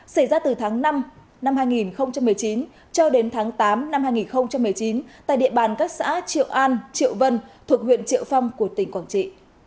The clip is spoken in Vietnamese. xảy ra từ tháng năm năm hai nghìn một mươi chín cho đến tháng tám năm hai nghìn một mươi chín tại địa bàn các xã triệu an triệu vân thuộc huyện triệu phong của tỉnh quảng trị